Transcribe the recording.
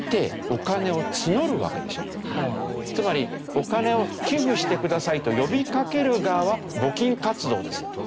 つまりお金を寄付してくださいと呼びかける側は募金活動ですよ。